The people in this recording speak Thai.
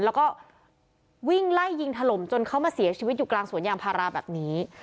แล้วก็วิ่งไล่ยิงถล่มจนเขามาเสียชีวิตอยู่กลางสวนยางพาราแบบนี้